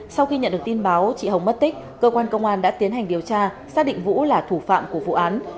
sau khi nhận được tin báo chị hồng mất tích cơ quan công an đã tiến hành điều tra xác định vũ là thủ phạm của vụ án